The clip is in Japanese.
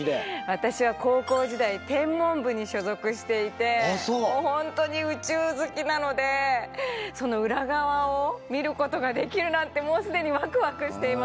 私は高校時代天文部に所属していて本当に宇宙好きなのでその裏側を見ることができるなんてもう既にワクワクしています。